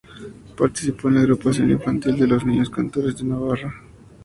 Participó en la agrupación infantil de los Niños Cantores de Navarra.